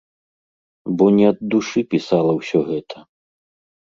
Бо не ад душы пісала ўсё гэта.